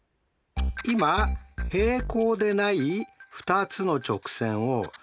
今平行でない２つの直線をｌとｍとします。